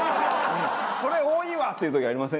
それ多いわ！っていう時ありません？